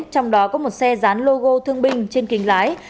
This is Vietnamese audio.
trong đó có một xe dán logo thương binh trên kính lái